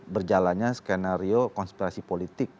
berjalannya skenario konspirasi politik